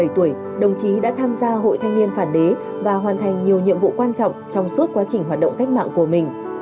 một mươi bảy tuổi đồng chí đã tham gia hội thanh niên phản đế và hoàn thành nhiều nhiệm vụ quan trọng trong suốt quá trình hoạt động cách mạng của mình